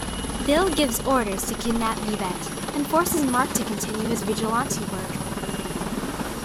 Bill gives orders to kidnap Yvette and forces Mark to continue his vigilante work.